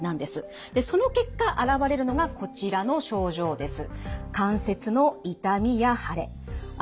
でその結果現れるのがこちらの症状です。